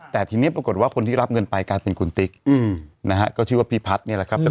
แต่ทีนี้ปรากฏว่าคนที่รับเงินไปกลายเป็นคุณติ๊กนะฮะก็ชื่อว่าพี่พัฒน์นี่แหละครับ